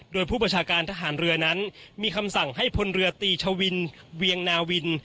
โดยผู้ประชาการทหารเรือนั้นมีคำสั่งให้พลเรือตีชวินเวียงนาวิน